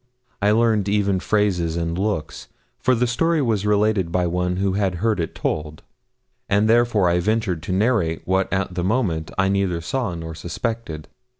I learned even phrases and looks for the story was related by one who had heard it told and therefore I venture to narrate what at the moment I neither saw nor suspected.